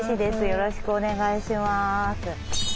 よろしくお願いします。